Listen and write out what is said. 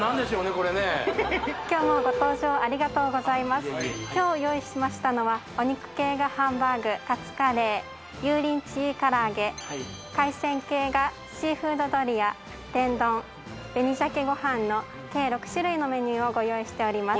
これね今日用意しましたのはお肉系がハンバーグカツカレー油淋鶏唐揚げ海鮮系がシーフードドリア天丼紅鮭ご飯の計６種類のメニューをご用意しております